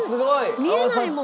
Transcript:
見えないもん。